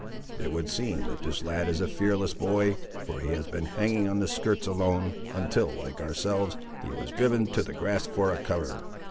It would seem that this lad is a fearless boy, for he has been hanging on their skirts alone, until, like ourselves, he was driven to the grass for a cover.